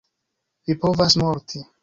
Vi povas morti.